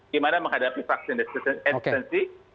gimana menghadapi vaksin hesitancy